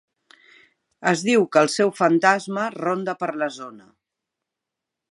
Es diu que el seu fantasma ronda per la zona.